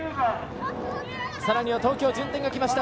さらには東京、順天がきました。